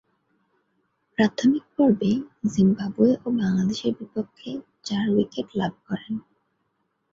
প্রাথমিক পর্বে জিম্বাবুয়ে ও বাংলাদেশের বিপক্ষে চার উইকেট লাভ করেন।